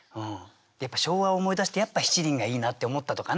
昭和を思い出して「やっぱ七輪がいいな」って思ったとかね。